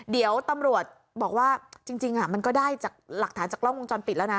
เดี๋ยวตำรวจบอกว่าจริงมันก็ได้จากหลักฐานจากกล้องวงจรปิดแล้วนะ